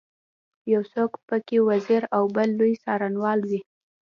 یو څوک په کې وزیر او بل لوی څارنوال وي.